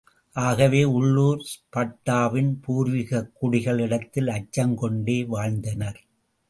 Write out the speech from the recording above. ஆகவே, உள்ளுர் ஸ்பார்ட்டாவின் பூர்விகக் குடிகளிடத்தில் அச்சங் கொண்டே வாழ்ந்தனர்.